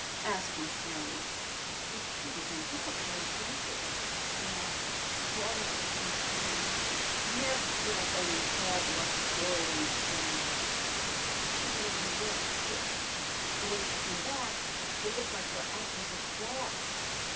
asked Miss Nellie. "If she was in difficulties we " "Naw, Florette wasn' that kind; nev' put up any hard luck story y' un'erstan'. But she'd bin outa work, sick. An' w'en she come back it looked like her ac' was a frost.